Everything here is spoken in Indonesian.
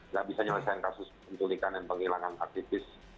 gak bisa nyelesaikan kasus penculikan dan penghilangan aktivis